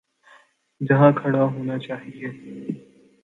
جہاں کھڑا ہونا چاہیے۔